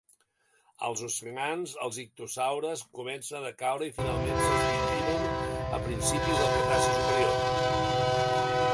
Als oceans, els ictiosaures començaren a decaure i finalment s'extingiren a principis del Cretaci superior.